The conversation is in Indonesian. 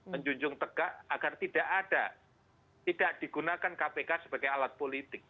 menjunjung tegak agar tidak ada tidak digunakan kpk sebagai alat politik